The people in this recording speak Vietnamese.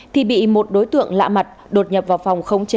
thì bị một đối tượng lạ mặt đột nhập vào phòng khống chế